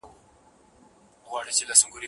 شاعرانو به کټ مټ را نقلوله